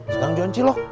sekarang jualan cilok